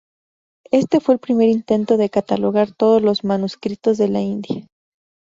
Este fue el primer intento de catalogar todos los manuscritos de la India.